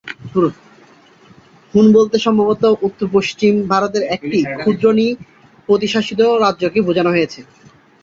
হুন বলতে সম্ভবত উত্তর-পশ্চিম ভারতের একটি ক্ষুদ্র নৃপতি-শাসিত রাজ্যকে বোঝানো হয়েছে।